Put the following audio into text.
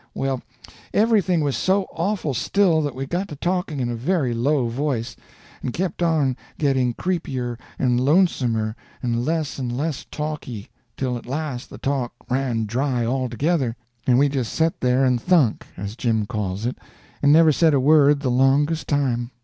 Well, everything was so awful still that we got to talking in a very low voice, and kept on getting creepier and lonesomer and less and less talky, till at last the talk ran dry altogether, and we just set there and "thunk," as Jim calls it, and never said a word the longest time.